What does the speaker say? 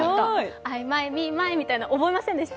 アイ・マイ・ミー・マイみたいの、覚えませんでした？